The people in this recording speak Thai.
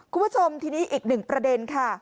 คุณผู้ชมทีนี้อีกหนึ่งประเด็นค่ะ